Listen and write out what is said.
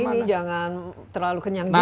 dan jangan ini jangan terlalu kenyang juga